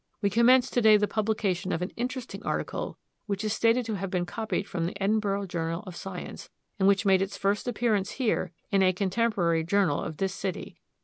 We commence to day the publication of an interesting article which is stated to have been copied from the Edinburgh Journal of Science, and which made its first appearance here in a contemporary journal of this city.